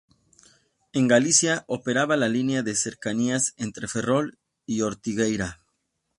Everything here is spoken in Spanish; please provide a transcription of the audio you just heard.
En Galicia operaba la línea de cercanías entre Ferrol y Ortigueira.